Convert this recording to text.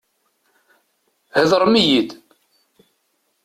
Heḍṛem-iyi-d!